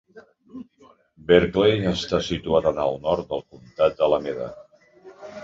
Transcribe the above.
Berkeley està situat en el nord del Comtat d'Alameda.